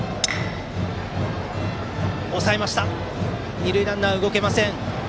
二塁ランナーは動けません。